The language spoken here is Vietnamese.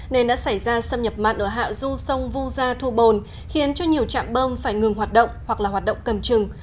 nên đã xảy ra xâm nhập mặn ở hạ du sông vu gia thu bồn khiến cho nhiều trạm bơm phải ngừng hoạt động hoặc là hoạt động cầm trừng